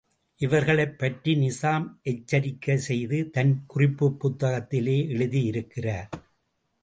இவர்களைப்பற்றி நிசாம் எச்சரிக்கை செய்து தன் குறிப்புப் புத்தகத்திலே எழுதியிருக்கிறார்.